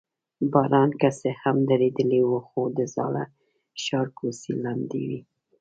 باران که څه هم درېدلی و، خو د زاړه ښار کوڅې لمدې وې.